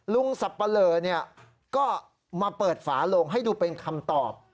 สับปะเลอก็มาเปิดฝาโลงให้ดูเป็นคำตอบ